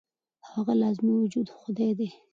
او هغه لازمي وجود خدائے دے -